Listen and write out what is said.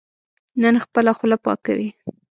نن خپله خوله پاکوي.